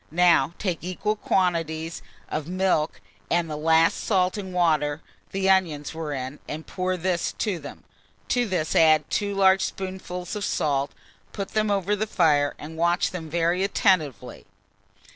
Now take equal quantities of milk and the last salt and water the onions were in, and pour this to them; to this add 2 large spoonfuls of salt, put them over the fire, and watch them very attentively.